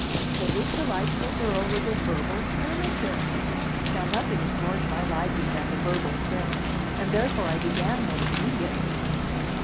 So this delightful girl was a verbal skirmisher! Now nothing is more to my liking than the verbal skirmish, and therefore I began one immediately.